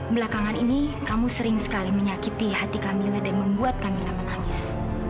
belakangan ini kamu sering sekali menyakiti hati kamilah dan membuat kami menangis